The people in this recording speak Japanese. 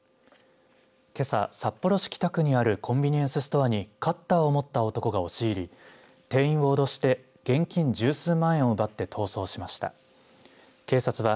けさ、札幌市北区にあるコンビニエンスストアにカッターを持った男が押し入り店員を脅して現金十数万円を奪って逃走しました。